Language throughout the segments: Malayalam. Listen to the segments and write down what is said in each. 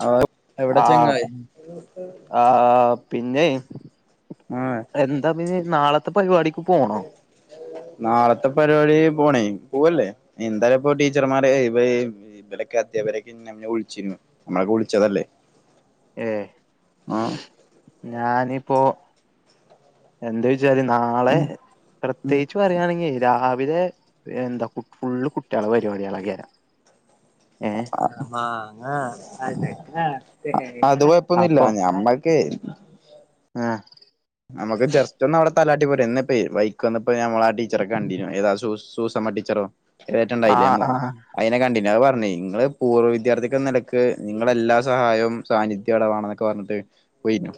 ഹലോ എവിടെ ആഹ് ചങ്ങായി ആഹ് പിന്നെ ആഹ് എന്താ പിന്നെനാളത്തെ പരിപാടിക്ക് പോണോ അല്ല നാളത്തെ പരിപാടി പോണേ പോവല്ലേ എന്തായാലും ഇപ്പൊ ടീച്ചർമാര് ഇ ഇന്നലൊക്കെ അധ്യാപരക്കന്നെ വിളിച്ചിരുന്നു നമ്മളൊക്കെ വിളിച്ചതല്ലേ ഏഹ് ആ ഞാനിപ്പോ എന്താ ചോച്ചാര് ന നാളെ ഉം ഉം പ്രത്യേകിച്ച് പറയുകയാണെങ്കിൽ രാവിലെ എന്താ ഫുള്ള് കുട്ടിള പരിപാടികളക്കാരം. അത് കുഴ പ്പോന്നില്ല അപ്പൊ ഞമ്മക്ക് ആഹ് നമുക്ക് ജസ്റ്റ് ഒന്ന് അടെ തലാട്ടി പോര എന്നന്നപ്പോ ബൈക്ക് വന്നപ്പോ നഞമ്മൾ ആടീച്ചറെ കണ്ടിനി എതാ സൂസമ്മ ടീച്ചറോ ഇതുണ്ടായില്ലേ ആഹ് ആഹ് അതിനെ കണ്ടി അത് പറഞ്ഞഞ് നിങ്ങള് പൂർവ്വ വിദ്യാർത്ഥികക്ക് നില ക്ക് നിങ്ങളുടെ എല്ലാ സഹായവും സാന്നിധ്യ അവിടെ വാണെന്നൊക്കെ പറഞ്ഞിട്ട് പോയിഞ്ഞു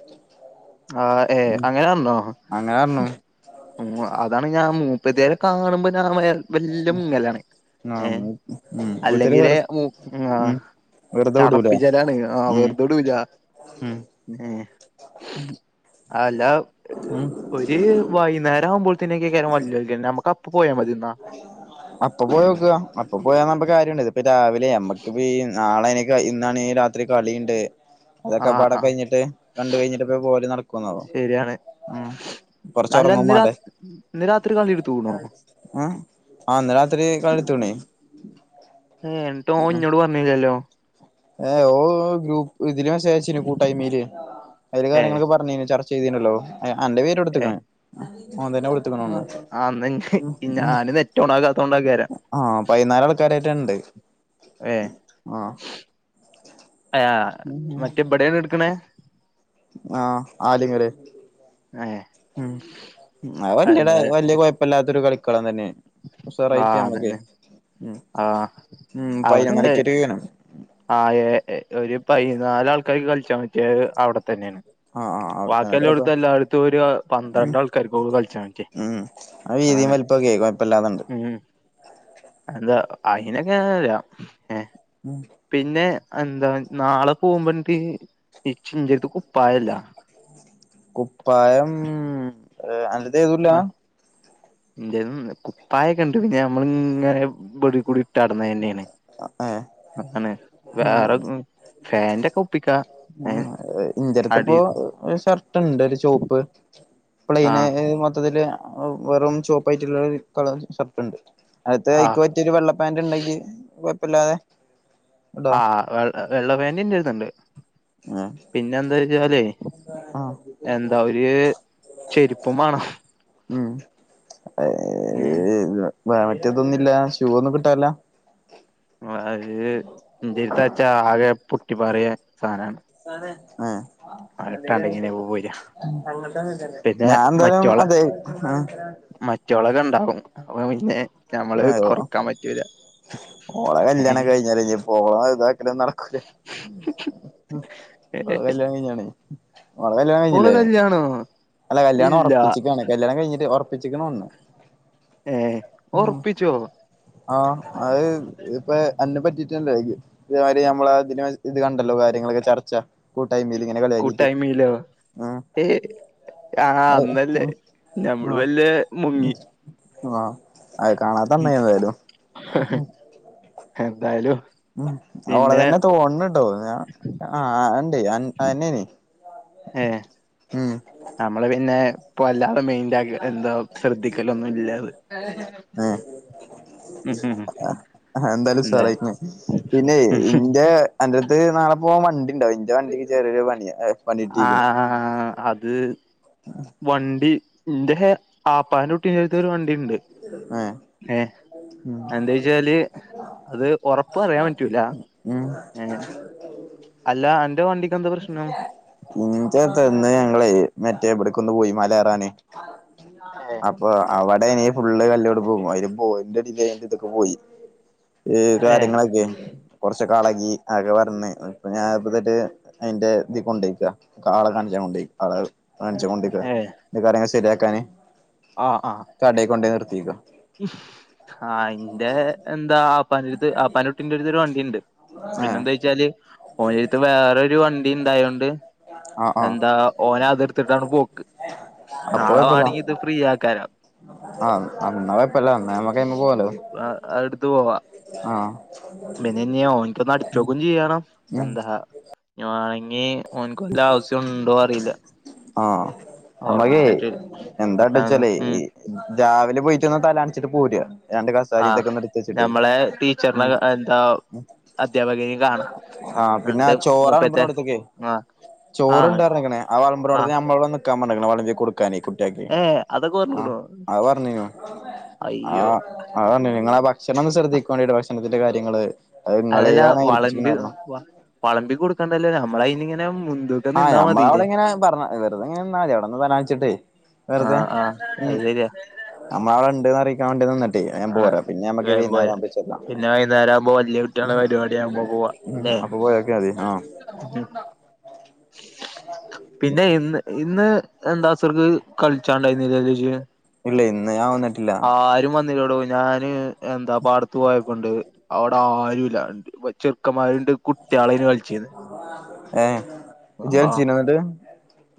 ആ ഏ അങ്ങനെപറഞ്ഞോ? അങ്ങനെ പറഞ്ഞു അതാണ് ഞാൻ മൂപ്പത്തെയാരെ കാണുമ്പോ ഞാൻ മെല്ലെ മുങ്ങലാണ് ആ ഏ ഉം മൂപ്പത്തിയാര് അല്ലെങ്കില് വെറു മ ആ ഉം വെറുതെ വിടൂല ചടപ്പിച്ചലാണ് ആ ഉം വെറുതോവിടൂല ഉം അല്ല ഉം ഒരു വൈന്നെരം ആവുമ്പോതിനൊക്കെ വള്ളിയാക നമുക്ക് അപ്പോ പോയാൽ മതി എന്നാ? അപ്പൊ പോയിക്ക അപ്പ പോയാ നമ്മുക്ക് കാര്യമുണ്ട് ഇപ്പ രാവിലെ നമ്മക്ക് പി നാളെ എനിക്ക് ഇന്നാണ് രാത്രി കളിയുണ്ട് അതൊക്കെ ആഹ് പാടെ ആഹ് കഴിഞ്ഞിട്ട് കണ്ട് കഴിഞ്ഞിട്ടപ്പ പോവലും നടക്കുന്നാവോ? ശരിയാണ് അല്ല കൊറച്ചൊറങ്ങും മാണ്ടേ ഇന്ന് രാത്രി കളി എടുത്തു കൂണോ ആഹ് ഇന്ന് രാത്രി കളി ഇട്ത്തക്ക്ണെ ഏ ട്ടോ ഓൻ ഇഞ്ഞോട് പറഞ്ഞില്ലല്ലോ ഏ ഓ ഗ്രൂപ്പ് ഇതില മെസ്സേജ് അയച്ചിന് കൂട്ടായ്മയില് അതില് ഏഹ് കാര്യങ്ങളൊക്കെ പറഞ്ഞന് ചർച്ച ചെയ്തനല്ലോ അന്റെ പേര് ഏഹ് കൊടുത്തക്കണ് ഓൻ തന്നെ കൊടുത്തക്കണ ഒന്ന്. ആഹ് ഇന്ന് ഞാന് നെറ്റ് ഓൺ ആക്കാത്തൊണ്ടേക്കാരം ആഹ് പതിനാല് ആൾക്കാരായിട്ട ഇണ്ട്. ഏ അയാ മറ്റേ ഇപടെയാണ് എടുക്കണേ ആഹ് ആലങ്ങല് ഏഹ് അത് വലിയ എന്താ വല്യ കുയ് പ്പല്ലാത്തൊരു കളിക്കളൻ തന്നെ ഉസാറായിട്ട് ആഹ് നമ്മക്ക് അതന്നെ ആഹ് ഉം പതിനൊന്നരകട്ടേ ആണ് ആ ഏ ഒരു പൈനാല് ആൾക്കാർക്ക് കളിക്കാൻ പറ്റിയ അവിടെ തന്നെയാണ്. ആ ആ അവിടത്തന്നെ അത് ബാക്കിയെല്ലാം കൊഴപ്പ എടുത്ത് എല്ലായിടത്തും ഒരു ഉം പന്ത്രണ്ട് ആൾക്കാർക്ക് കൊള്ളു കളിച്ചാൻ പറ്റ. ഉം അത് വീതിയും വലിപ്പം ഒക്കെ കൊഴപ്പല്ലാതണ്ട്. ഉം എന്താ അയിനൊക്കെ ഏ ഉം പിന്നെ എന്താ നാളെ പോകുമ്പോ എനിക്ക് ഈ ഇച്ച് ഇന്റടുത് കുപ്പായല്ല. കുപ്പായം ആന്റടുത്തു എത്തുല്ല ഇന്റെതും കുപ്പായൊക്കെണ്ട് പിന്നെ നമ്മള്ങ്ങനെ വെടികൂടി [unintelligible] ഏ ന്നാണ് വേറെരൂ ഫാന്റെക്കെപ്പിക്കാ ഇന്റെട്ത്പ്പൊരു ഷർട്ട്ണ്ട് ഒരു ചോപ്പ് ആ പ്ലെയിന മൊത്തത്തില് വെറും ചോപ്പയിട്ടുള്ള ഒരു കളർഷർട്ട്ണ്ട് ആ അതയിക്കൊറ്റിയരു വെള്ളപ്പാന്റണ്ടക്കി കുഴപ്പല്ലാതെ ആഹ് വെ വെള്ളപേന്റ് ന്റെട്ത്തുണ്ട് ആഹ പിന്നെ എന്താ വച്ചാലേ എന്താ ഒര് ചെരുപ്പു മാണം ഏഹ് [unintelligible] വേ മറ്റേതൊന്നുല്ല ഷൂ ഒന്നും കിട്ടാൻല്ല [unintelligible] ന്റെട്ത്താച്ച ആകെ പൊട്ടിപാറിയ സാനാണ് ആഹ് അഹ്ട്ടാണ്ട് ഇങ്ങനെ പോവെ ഞാൻ എന്തായാലും അതെ മറ്റൊളൊക്കെണ്ടാവും അപ്പപിന്നെ [unintelligible] ഓളെ ഏഹ് കല്യാണകെഴിഞ്ഞാല്ലെ ഞ് ഓളെ ഇതാകലൊന്നും നടക്കൂല ഓളെ കല്യാണം കഴിഞ്ഞാണേ ഓളെ കല്യാണം ഓള് കഴിഞ്ഞില്ലേ കല്യണോ അല്ല കല്യാണം ഒറപ്പിച്ചിക്കാണ് കല്യാണം കഴിഞ്ഞിട്ടില്ല ഉറപ്പിച്ചിക്കാണോണ് ഏഹ് ഉം ഒറപ്പിച്ചോ ആഹ് അഹ് ഇത്പ്പെ അന്നെ പറ്റിട്ടല്ലേ ഇതേമാരി നമ്മളെ അതിനെ ഇത് കണ്ടല്ലോ കാര്യങ്ങളൊക്കെ ചർച്ച കൂട്ടായ്മിലിങ്ങനെ ക കൂട്ടായിമീലോ ഏ ആഹ് അന്നല്ലേ ഉം ഞമ്മള് ആഹ് വെല്ലേ മുങ്ങി ആഹ് അത് കാണാത്തന്നായി എന്തായാലും എന്തായലും ഉം ഓളെതന്നെ തോന്ന്ണ് ട്ടൊ അ ആണ്ട് അതന്നെണ് ഏഹ് നമ്മള് പിന്നെ ഇപ്പ വല്ലാതെ മെയിന്റാക്ക എന്താ ശ്രദ്ധിക്കലൊന്നും ഇല്ലാത് ഏഹ് ഉം ഉം ആഹ് എന്തായാലും എന്താ ഉസാറായിക്ക്ണ് പിന്നെ ഉം ഇന്റെ അന്റെട്ത്ത് നാളെ പോവാൻ വണ്ടിണ്ട ന്റെവണ്ടിക്ക് ചെറിയൊരു പണിയ പണിട്ടിക്ക്ണ് ആഹ് അത് വണ്ടി ന്റെ ഹെ ആപ്പാന്റെ കുട്ടിന്റെട്തൊരു വണ്ടിണ്ട് ഏഹ് ഏഹ് ഉം എന്താച്ചാല് അത് ഒറപ്പറിയാൻ പറ്റൂല ഏന് അല്ല അന്റെ വണ്ടിക്കെന്താ പ്രശ്നം ഇന്റെ എത്ത ഇന്ന് ഞങ്ങള് മറ്റേ ഇവിട്ക്കൊന്ന് പോയി മലെറാന് അപ് പ്പൊ അവടെനി ഫുള്ള് കല്ലോട് പോകും അയിൽ [unintelligible] ഇതൊക്കെ പോയി ഏ കാര്യങ്ങളൊക്കെ കൊറച്ച കളകി അകെ ഇപ്പൊ ഞാൻ ന്നിട്ട് അയിന്റെ ഇതി കൊണ്ടയ്ക്ക ആളെ കാണിച്ചാ കൊണ്ടെയ് ആള് കാണ്ച്ച് കൊണ്ടില്ല എ കാര്യങ്ങൾ ശെരിക്കാന് ആഹ് ആഹ് കടെ കൊണ്ടേയ് നിർത്തിക്ക ആഹ് ഇന്റെ എന്താ ആപ്പാന്റടുത്ത് ആപ്പാന്റുട്ടിന്റെട്ത് ഒരു വണ്ടിണ്ട് ഏഹ് പിന്നെന്താച്ചാല് ഓന്റെട്ത്ത് വേറൊരു വണ്ടി ഇണ്ടായോണ്ട് ആഹ് ആഹ് എന്താ ഓനതിട്ത്തിട്ടാണ് പോക്ക് അപ്പൊ നാളെ കൊഴപ്പല്ല വാണെങ്കി ഇത് ഫ്രീ ആക്കാരം ആഹ് അന്നകൊയ്പ്പല്ല അന്നാമ്മക്ക്മ പോവല്ലോ ആഹ് അത്ട്ത്ത് പോവാ [unintelligible] ഓൻക്കൊന്ന് അടിച്ചോക്കും ചെയ്യണം ഉം എന്താ ഞ് വാണെങ്കി ഓൻക്ക് വല്ല ആവശ്യം ഇണ്ടോ അറിയില്ല ആഹ് നമ്മക്കെ ഓർപ്പിക്കാൻ പറ്റൂല അപ്പ എന്താട്ടച്ചലെ ഉം രാവിലെ പോയിട്ടൊന്ന് തലണിച്ചിട്ട് പോര ഞാ രണ്ട് ക്ലാസ്സ്‌ സാരി ആ ഇതൊക്കെ ന്ന് ഇട്ത്ത് വെച്ചിട്ടേ. നമ്മളെ ടീച്ചറിനെ ഉം എന്താ അധ്യാപകനേം കാണാ ആഹ് പിന്നെ അന്റെ ആഹ് ചോറൾ മൂപ്പത്തെ ബ്നോട്ത്തൊക്കെ ആഹ് ചോറ് ആഹ് ണ്ട് പറഞ്ഞിക്ക്ന്. അഹ് വൾബ്നോട്ത്ത്ക് ആഹ് ഞമ്മളൊടെ നിക്കാൻ പറഞ്ഞക്ക്ണ്. വളബി കൊടു ക്കാനെ കുട്യാക്ക്. ഏ അതൊക്കെ ആഹ് പറഞ്ഞ്ക്ക്ണോ ആഹ് പറഞ്ഞീനു. അയ്യോ ആഹ് അഹ് പറഞ്ഞീനു. നിങ്ങള ആഹ് ഭക്ഷണം ഒന്ന് ശ്രദ്ധിക്കണ്ടിന്. ഭക്ഷണത്തിന്റെ കാര്യങ്ങള്. അത് നിങ്ങളാണ് ഏരിപ്പിക്നു പറഞ്ഞു. പളമ്പി കൊടുക്കണ്ടല്ലോ. നമ്മളയിനിങ്ങനെ മുൻ ആഹ് നമ്മള അവിടെ ങ്ങനെ പറഞ്ഞ. വെറുതെങ്ങനെ അവിടെന്ന് തരാ വച്ചിട്ട്. വെറു ആഹ് ആഹ് അത് ശെരിയാ. നമ്മള ടെണ്ട്ന്ന് അറിയാൻ വേണ്ടി തന്നെ. ട്ട. ഞാൻ പ ആണ് വേരാ. പിന്നെ നമ്മക്ക് വേം വൈന്നേരം പോരാ ആരംഭിച്ചക്കാം. പിന്നെ വൈന്നേരാവുമ്പോ വല്യ കുട്ട്യാളെ പരിപാടിയാവുമ്പോ പോവാ ഉം ല്ലേ അപ്പൊ പോയൊക്യാ മതി ട്ടൊ. പിന്നെ ഇന്ന് ഇന്ന് എന്താ അസർക്ക് കളിച്ചാണ്ടായില്യ ല്ലൊ ഇജ്ജ്. അല്ല. ഇന്ന് ഞാൻ വന്ന്ട്ട് ആരും വന്നില്ലേ ടൊ. ഞാന് എന്താ പാടത്ത് പോയപ്പോണ്ട് അവ്ടെ ആരുല്ല. വ ചെക്കന്മാരുണ്ട്. കുട്ട്യളെന്ന് കളിച്ചീന്യ. ഏഹ് ഇജി കൾച്ചീന്യോ ന്നട്ട്.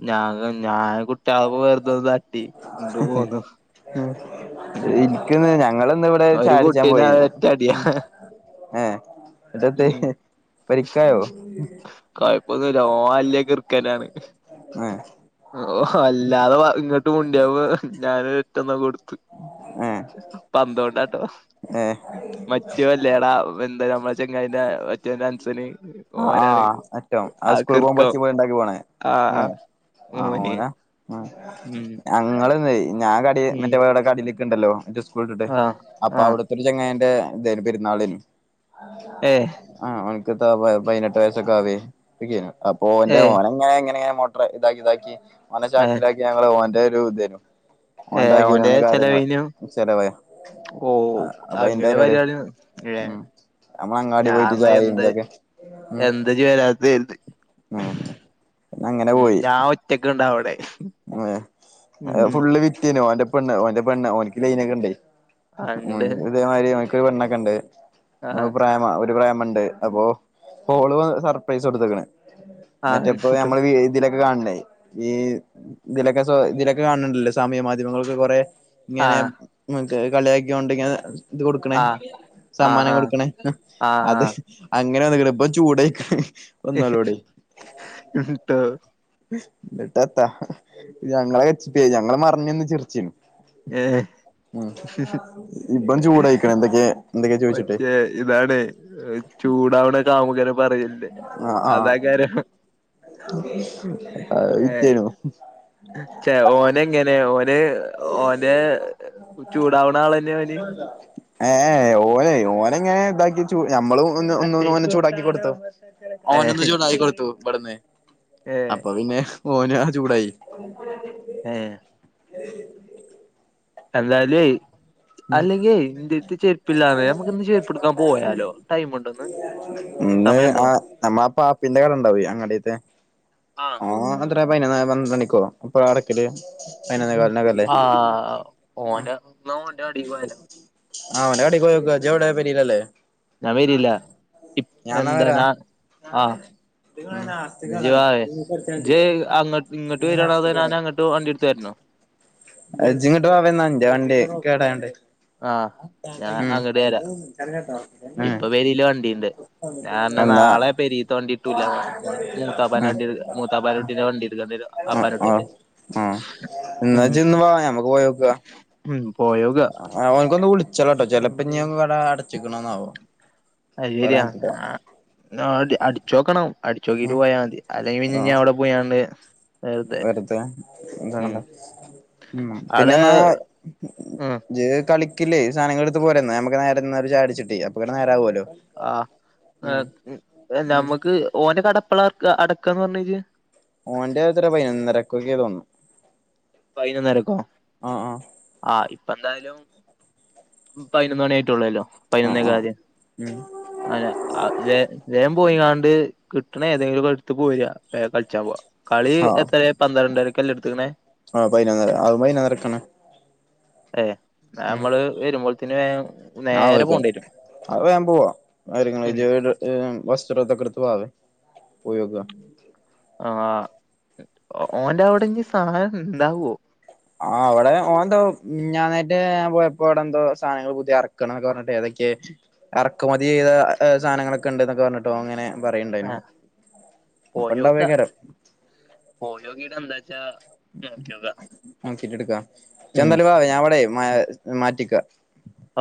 ഞാ ക ഞാ കുട്ട്വളപ്പോ വെറുത ഇതാ ഉം ഉം ഇൻകിന്ന് ഞങ്ങള് ന്ന് ടെ ഒരു ചായ കുടിച്ചാൻ കുട്ടീനെ പോയിരുന്നു. ഒറ്റടിയാ ഏഹ് ഇന്നട്ടെന്തെ. ഉം പരിക്കായോ. കൊഴപ്പൊന്നുല്ല. ഓ വല്യ കിർക്കനാണ്. ആഹ് ഓഹ് അല്ലാതെ മുണ്ടിയാവോ ഞാനൊരറ്റന്നാണ്ട് കൊടുത്ത്. ഏഹ് പന്തോണ്ട്. താട്ടോ. ഏഹ് മറ്റൊല്യടാ. എന്താ നമ്മ ചെങ്ങായിന്റെ മറ്റോൻ അൻസന്. ആഹ് ഓനാണ് ആഹ് അറ്റം ആ ആഹ് സ്കൂളിൽ പോകുമ്പോ കിർക്കം. ഒച്ചയും ബഹളവും ഉണ്ടാക്കി പോണേ ആഹ് ആഹ് ആഹ് ഓന് ഓനാ ഉം ആഹ് ഞങ്ങള് ഞാൻ കട ഉം മറ്റേ പേരുടെ കടയിലേക്കണ്ടല്ലോ. സ്കൂൾട്ടിട്ട്. ആ അപ്പൊ ആ അവിടുത്തെരു ചങ്ങായിന്റെ ഇതായിന്. പെരുന്നാളിന് ഏ ആഹ് ഓൻക്കെത്താ പതിനെട്ട് വയസ്സൊക്കെ ആവേ. ടക്കിയേ അപ്പൊ ഏ ഓന്റെ ഓനങ്ങനെ ങ്ങന മൊ ഫ്രണ്ടാക്കി താക്കി ഓനെ ഏ ചാക്കിലാക്കി ഞങ്ങള് ഓന്റൊരു തായി ഏ ഓന്റെ കിലാണ് കാര്യങ്ങള്. ചെലവിനും ചെലവായ. ഓ ആഹ് അപ്പൊ അയിന്റെ അങ്ങനെ പരിപാട്യേ. പരിപാടിയാണ് ഏ ഉം നമ്മളങ്ങാടി പോയിട്ട് ഞാൻന്നാ ചായ എന്താ ന്തൊക്കെ എന്താ ജി വരാത്തെ. കര് ആഹ് ഉം ഞാ ഒറ്റക്ക് ണ്ട വിടെ. ആഹ് അഹ് ഫുള്ള് വിറ്റെനു. ഓന്റെ പെണ്ണ് ഓന്റെ പെണ്ണ് ഓൻക്ക് ലൈന ക്കെ ണ്ടേ. ഉം അണ്ട് ഇതേമാതിരി ഓൻക്കൊരു പെണ്ണൊക്കെ ണ്ട്. ആഹ് പ്രേ പ്പ ഒരു പ്രാമണ്ട്. അപ്പൊ ഓള് സർപ്രൈസക്കെ കൊടുത്തക്ണ്. മറ്റേ ആഹ് പ്പൊ ട്ടോ ഞമ്മള് തിലൊക്കെ കാണണ്ടേ. ഈ ഇങ്ങനൊക്കെ സൊ ഇതിലൊക്കെ കാണണ്ടല്ലേ സാമൂഹ്യ മാധ്യമങ്ങൾക്ക് കൊറെ ഇങ്ങനെ ആഹ് മറ്റേ കളിയാകിയൊണ്ട് ഇങ്ങനെ ഇത് കൊടുക്കണേ. ആഹ് ആഹ് സമ്മാനം ആഹ് കൊടുക്കണേ. ആഹ് അത് അങ്ങനെ വന്ന്ക്ണ്. ഇപ്പൊ ചൂടയ് ൻട്ടോ? എന്നിട്ട എത്താ ഞങ്ങള് എച്ച് പി ഞങ്ങള് മറഞ്ഞിന്ന് ചിർച്ചിനു. ഏഹ് ഉം, ഇബൻ ചൂടായിക്കണ് എന്തൊക്കെ എന്തൊക്കാ ചോദിച്ചിട്ടേ മറ്റേ ഇതാണ് ചൂടാവ്ണെ കാമുകനെ പറയല്ലേ അതാക്കാരം. അയ് വിറ്റേനു. ചെ ഓന് എങ്ങനെ ഓന്, ഓന് ചൂടാവ്ണ ആളന്നെ ഓന്. ഇല്ല ഏഹ്, ഏഹ് ഓനെ ഓനങ്ങനെ ഇതാക്കി ചു ഞമ്മളും ഒന്നു, ഒന്നു ഓനെ ചൂടാക്കി കൊടുത്തു. ഓനൊന്ന് ഏഹ് ചൂടായി കൊടുത്തു ഇബട്ന്ന്, ഏഹ് അപ്പൊ പിന്നെ ഓന് ആഹ് ചൂടായി. ഉം ഏഹ് എ എന്തായാലു അല്ലെങ്കിലെ ഇന്റട്ത്ത് ചെരുപ്പില്ലാന്ന്, നമ്മക്ക് ഇന്ന് ചെരുപ്പ് എടുക്കാൻ പോയാലോ ടൈമുണ്ടോ ഇന്ന്. ഇന്ന് ആ നമ്മള പാപ്പിന്റെ കട ഇണ്ടാവ് അങ്ങാടിത്തെ. ആഹ് അതത്രേ പതിനൊന്ന് പന്ത്രണ്ട് മണിക്കോ എപ്പോഴാ അടക്കല് പതിനൊന്ന് കാലിനൊക്കെ. അല്ലേ ആഹ്, ഓന്റ ആഹ്, ഓന്റെ കടേക്ക് പൊയ്നോക്കാ ഇജ്ജ് എവിടെ പെരെലല്ലേ? ഞാൻ വരില്ല ഇപ് [inaudible] ഞാൻ ഇന്നാ എന്താ വരാ ഞാ ആഹ് [unintelligible] ഇജ്ജ് വായെ, ഇജ്ജ് അങ്ങ ഇങ്ങട്ട് വരാണോ അതോ ഞാൻ അങ്ങട്ട് വണ്ടി എടുത്ത് വരണോ? അയ് ഇജ്ജ് ഇങ്ങട്ട് വാ ഇപ്പ ഇന്റെ വണ്ടി കേടായോണ്ട്. ആഹ് ഞാൻ ഉം അങ്ങട്ട് വരാ, ഉം ഇപ്പൊ പെരീല വണ്ടിണ്ട്. ഞാൻ അന്നെ എന്നാ നാളെ പെരീത്തെ വണ്ടി കിട്ടൂല്ല നാളെ ഉം മൂത്താപ്പാന്റെ വണ്ടി എട്ക്ക മൂത്താപ്പാന്റെ കുട്ടിന്റെ വണ്ടി എട്ക്കണ്ടി വരും ആഹ് ആപ്പാന്റെ ആഹ് കുട്ടിന്റെ ആഹ്, ഇന്നാ ഇജ്ജ് ഇന്ന് വാ നമ്മക്ക് പോയോക്ക്. ഉം പോയോക്ക. ആഹ്, ഓൻക്കൊന്ന് വിളിച്ചാളട്ടോ ചെലപ്പോൾ ഇഞ്ഞ് കട അടച്ചിക്കണാവോ. അയ് ശരിയാ, ആഹ് ആദ്യ അടിച്ചോക്കണം അടിച്ചോക്കിട്ട് ഉം പോയാൽ മതി അല്ലെങ്കിൽ പിന്നെ ഇഞ്ഞ് ആഹ് അവിടെ പോയാണ്ട് വെറുതെ ഉം എന്താക്കണ്ട ഉം പിന്നെ അവിടെ ഇന്നാ ഞാൻ വരാ ഉം ഇജ്ജ് കളി ക്കില്ലേ സാധനങ്ങളടുത്ത് പോര്, ഇന്നാ നമ്മക്ക് നേരെ ഇന്നാല് ഒര് ചായകുടിച്ചിട്ടേ അപ്പക്ക്‌ണ് നേരാവു അല്ലോ. ആഹ്, ഉം നമ്മക്ക് ഓന്റെ കട എപ്പളാ അടക്ക്‌ അടക്കാന്ന് പറഞ്ഞേ ഇജ്? ഓന്റെ എത്ര പതിനൊന്നരക്കൊക്കെ തോന്നുണ്. പതിനൊന്നരക്കോ ആഹ് ആഹ് ആഹ് ഇപ്പ എന്തായാലും പതിനൊന്ന് മണി ആയിട്ടൊള്ളല്ലോ ആഹ് ആഹ് പതിനൊന്നേക്കാല്. ഉം അല്ല അത് വേ വേഗം പോയാണ്ട് കിട്ട്ണ ഏതെങ്കിലും ഒക്ക ആണ് എടുത്ത് പോര് വേഗം കളിച്ചാൻ പോവ്. കളി ആഹ് എത്രയെ പന്ത്രണ്ടരക്കല്ലേ എടുത്ത്ക്ക്‌ണേ? ആ പതിനൊന്നര അത് പതിനൊന്നരക്കാണ് ഏഹ് ഇന്നാ നമ്മള് വരുമ്പോഴത്തിന് ഇന്നാ നേരെ ഓക്കേ പോണ്ടി വരും അത് വേം പോവാ [unintelligible] ഉം ഇജ് ഏഹ് വസ്ത്രു ഇതൊക്കെ എടുത്തിട്ട് വാ വേം പോയിനോക്ക്‌. ആഹ്, ഓന്റെ അവിടെ ഇഞ്ഞ് സാധനം ഇണ്ടാവോ? ആഹ്, അവിടെ ഓൻ എന്തോ മിഞ്ഞാന്നറ്റെ ഞാൻ പോയപ്പോൾ അവിടെന്തോ സാധനങ്ങള് പുതിയ എറ ക്കണന്നൊക്കെ പറഞ്ഞിട്ട് ഏതൊക്കെ ഇറക്കുമതി ചെയ്ത സാധങ്ങളൊക്ക ഇണ്ട് എന്നൊക്കെ പറഞ്ഞി ട്ടോൻ ങ്ങനെ പറയ്ണ്ടായിനു ആഹ് അപ്പ ഇണ്ടാവേക്കാരം പോയൊകീട്ട് എന്താച്ചാ നോക്കിയോക്കാ നോക്കിട്ടെടുക്കാ. ഇജ് ഉം എന്തായാലും വാ ഞാൻവടെ മയ മാറ്റിക്കാ.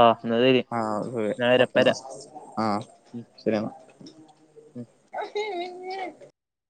ആഹ് എന്നാ ശരി ആഹ് [unintelligible] ഞാൻ വരാ ഓക്ക ഇപ്പ വരാ ആഹ് ഉം ശരി എന്നാ ഉം